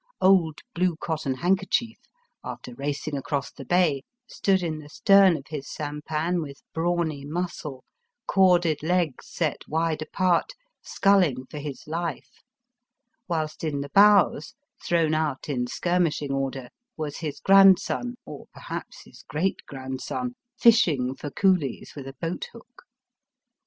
Old Blue Cotton Handkerchief, after racing across the bay, stood in the stem of his sampan with brawny muscle, corded legs set wide apart, sculling for his life ; whilst in the bows, thrown out in skirmishing order, was his grandson, or perhaps his great grandson, fishing for coolies with a boat hook.